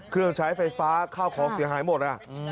เครื่องใช้ไฟฟ้าข้าวของเสียหายหมด